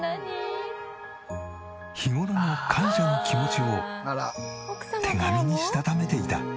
日頃の感謝の気持ちを手紙にしたためていた。